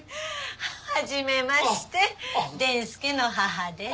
はじめまして伝助の母です。